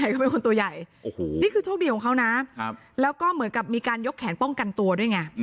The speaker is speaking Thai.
เขาเป็นคนตัวใหญ่โอ้โหนี่คือโชคดีของเขานะแล้วก็เหมือนกับมีการยกแขนป้องกันตัวด้วยไง